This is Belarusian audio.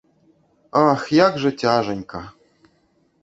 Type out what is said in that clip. Ах, як жа цяжанька!